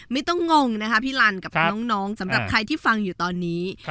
งงนะคะพี่ลันกับน้องสำหรับใครที่ฟังอยู่ตอนนี้